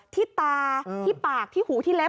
ที่ตาที่ปากที่หูที่เล็บ